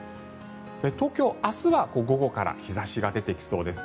東京、明日は午後から日差しが出てきそうです。